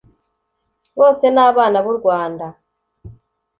bose ni abana b’u rwanda